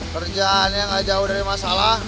kerjaannya nggak jauh dari masalah